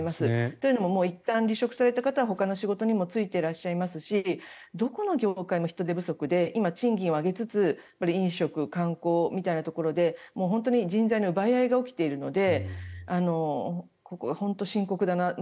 というのもいったん離職された方はほかの仕事にも就いていらっしゃいますしどこの業界も人手不足で今、賃金を上げつつ飲食、観光みたいなところで本当に人材の奪い合いが起きているので本当に深刻だなと。